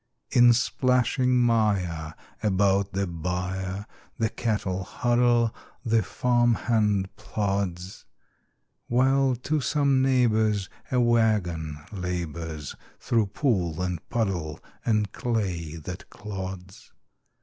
In splashing mire about the byre The cattle huddle, the farm hand plods; While to some neighbor's a wagon labors Through pool and puddle and clay that clods.